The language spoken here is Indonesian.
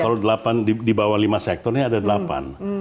kalau delapan di bawah lima sektor ini ada delapan